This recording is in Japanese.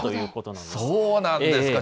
そうなんですか。